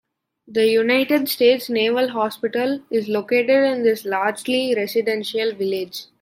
The United States Naval Hospital is located in this largely residential village.